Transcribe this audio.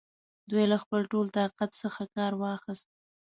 دوی له خپل ټول طاقت څخه کار واخیست.